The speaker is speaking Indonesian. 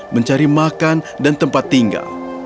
mencari makan dan tempat tinggal